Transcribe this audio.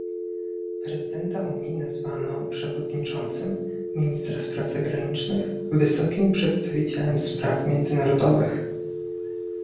Prezydenta Unii nazwano przewodniczącym, ministra spraw zagranicznych - wysokim przedstawicielem do spraw międzynarodowych